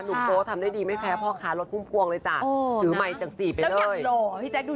สุดโปรดทำได้ดีไม่แพ้พ่อค้ารถพุ่มพวงเลยจ้ะถือใหม่จังสีไปเลย